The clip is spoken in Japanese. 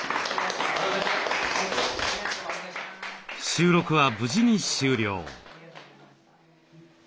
収録は無事に終了。